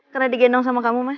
karena digendong sama kamu mas